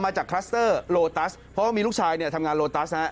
มาจากคลัสเตอร์โลตัสเพราะมีลูกชายทำงานโลตัส